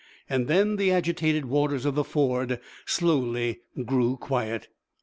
And then the agitated waters of the ford slowly grew quiet.